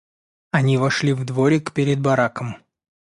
Они вошли в дворик пред бараком.